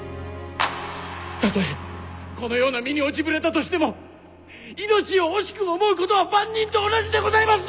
たとえこのような身に落ちぶれたとしても命を惜しく思うことは万人と同じでございます！